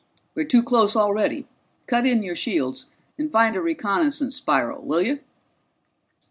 We're too close already. Cut in your shields and find a reconnaissance spiral, will you?"